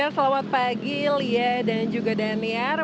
selamat pagi lia dan juga daniar